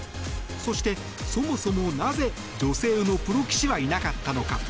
そして、そもそもなぜ女性のプロ棋士はいなかったのか。